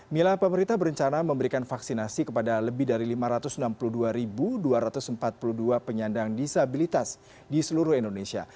mila pemerintah berencana memberikan vaksinasi kepada lebih dari lima ratus enam puluh dua dua ratus empat puluh dua penyandang disabilitas di seluruh indonesia